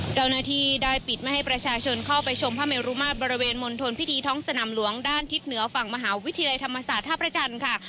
เจ้าหน้าที่ได้ปิดไม่ให้ประชาชนเข้าไปชมพระเมรุมาตรบริเวณมณฑลพิธีท้องสนามหลวงด้านทิศเหนือฝั่งมหาวิทยาลัยธรรมศาสตร์ท่าพระจันทร์ค่ะ